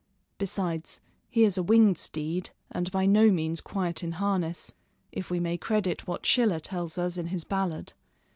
Besides, he is a winged steed and by no means quiet in harness, if we may credit what Schiller tells us in his ballad.